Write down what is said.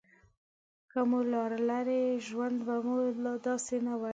که مو لرلای ژوند به مو داسې نه وای.